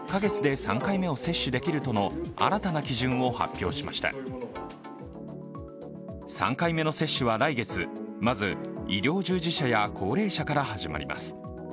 ３回目の接種は来月、まず医療従事者や高齢者から始まります。